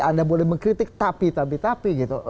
anda boleh mengkritik tapi tapi tapi gitu